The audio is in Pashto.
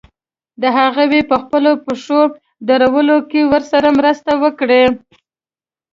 د هغوی په خپلو پښو درولو کې ورسره مرسته وکړي.